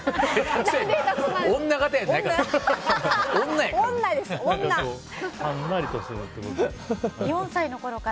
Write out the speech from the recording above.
女形やないから。